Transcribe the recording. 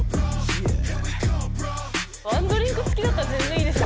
１ドリンク付きだったら全然いいでしょ。